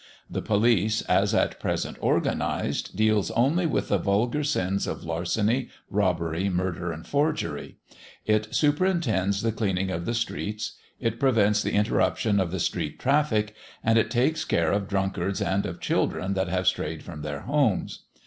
The police, as at present organised, deals only with the vulgar sins of larceny, robbery, murder, and forgery; it superintends the cleaning of the streets; it prevents the interruption of the street traffic, and it takes care of drunkards and of children that have strayed from their homes.